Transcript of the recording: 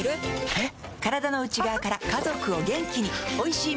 えっ？